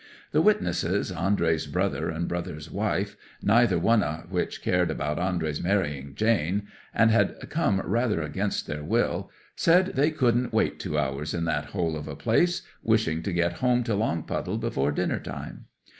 The witnesses, Andrey's brother and brother's wife, neither one o' which cared about Andrey's marrying Jane, and had come rather against their will, said they couldn't wait two hours in that hole of a place, wishing to get home to Longpuddle before dinner time.